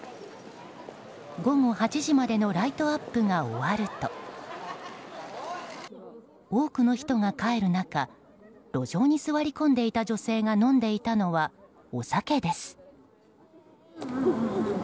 午後８時までのライトアップが終わると多くの人が帰る中路上に座り込んでいた女性が飲んでいたのはお酒です。